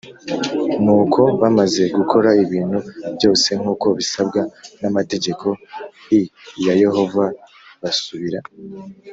Nuko bamaze gukora ibintu byose nk uko bisabwa n amategekoi ya Yehova basubira